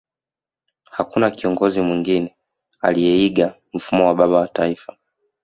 Hamna kiongozi mwengine aliyeiga mfano wa Baba wa Taifa